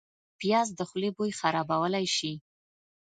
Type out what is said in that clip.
پیاز د خولې بوی خرابولی شي